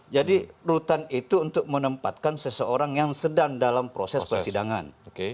jadi rutan itu untuk menempatkan seseorang yang sedang dalam proses persidangan